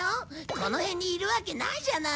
この辺にいるわけないじゃない。